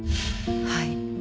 はい。